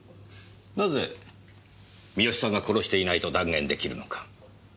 なぜ三好さんが殺していないと断言できるのか。